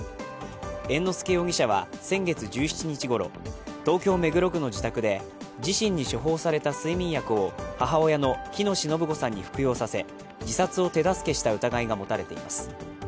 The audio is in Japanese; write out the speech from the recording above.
猿之助容疑者は先月１７日ごろ東京・目黒区の自宅で自身に処方された睡眠薬を母親の喜熨斗延子さんに服用させ自殺を手助けした疑いが持たれています。